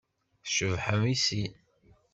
Tcebḥem i sin.